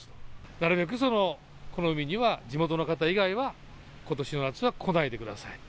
なるべくこの海には地元の方以外は、ことしの夏は来ないでください。